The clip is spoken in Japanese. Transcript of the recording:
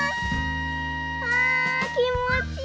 あきもちいい。